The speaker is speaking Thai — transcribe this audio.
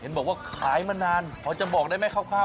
เห็นบอกว่าขายมานานเ